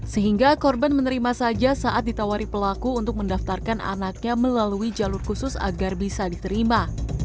sehingga korban menerima saja saat ditawari pelaku untuk mendaftarkan anaknya melalui jalur khusus agar bisa diterima